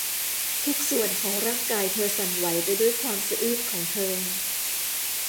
ทุกส่วนของร่างกายเธอสั่นไหวไปด้วยความสะอื้นของเธอ